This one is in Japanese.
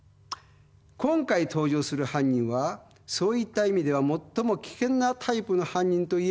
今回登場する犯人はそういった意味では最も危険なタイプの犯人といえるかもしれません。